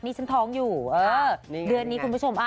นี่ฉันท้องอยู่เดือนนี้คุณผู้ชม